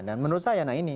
dan menurut saya